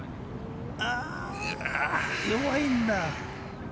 ああ、弱いんだ。